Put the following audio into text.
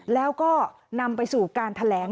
แล้วก็นำไปสู่การแถลง